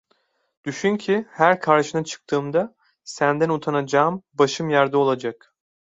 Düşün ki, her karşına çıktığımda senden utanacağım, başım yerde olacak...